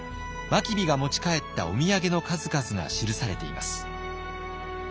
真備が持ち帰ったお土産の数々が記されています。